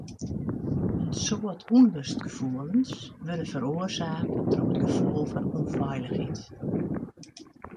In soad ûnlustgefoelens wurde feroarsake troch it gefoel fan ûnfeilichheid.